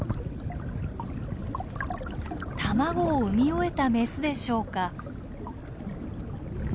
卵を産み終えたメスでしょうか？